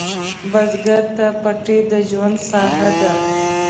بزګر ته پټی د ژوند ساحه ده